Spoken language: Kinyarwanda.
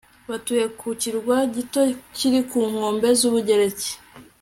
batuye ku kirwa gito kiri ku nkombe z'ubugereki